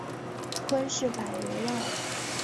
昆士柏流浪